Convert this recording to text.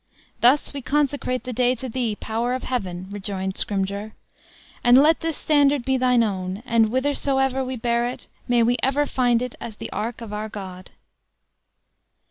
"Thus we consecrate the day to thee, Power of Heaven!" rejoined Scrymgeour. "And let this standard be thine own; and whithersoever we bear it, may we ever find it as the ark of our God!"